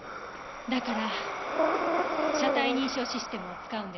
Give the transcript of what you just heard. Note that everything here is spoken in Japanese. だから車体認証システムを使うんです。